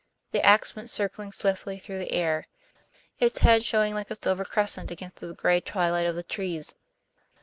The ax went circling swiftly through the air, its head showing like a silver crescent against the gray twilight of the trees.